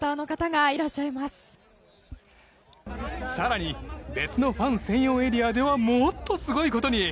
更に別のファン専用エリアではもっとすごいことに。